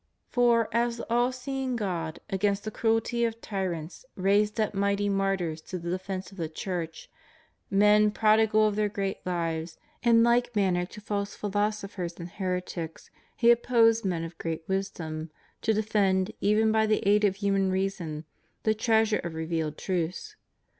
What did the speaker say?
For as the all seeing God against the cruelty of tyrants raised up mighty martyrs to the defence of the Church, men prodigal of their great lives, in hke manner to false philosophers and heretics he opposed men of great wisdom, to defend, even by the aid of hmnan reason, the treasure of revealed truths.